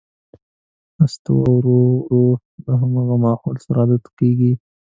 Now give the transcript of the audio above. نستوه ورو ـ ورو د همغه ماحول سره عادت کېږي.